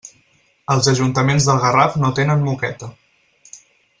Els ajuntaments del Garraf no tenen moqueta.